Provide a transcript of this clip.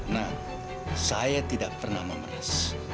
nah saya tidak pernah memeras